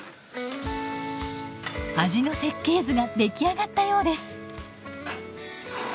味の設計図が出来上がったようです。